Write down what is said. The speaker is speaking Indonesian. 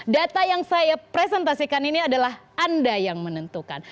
data yang saya presentasikan ini adalah anda yang menentukan